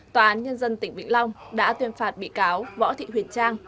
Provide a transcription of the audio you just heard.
tòa án nhân dân tỉnh vĩnh long đã tuyên phạt bị cáo võ thị huyền trang